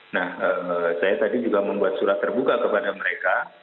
nah saya tadi juga membuat surat terbuka kepada mereka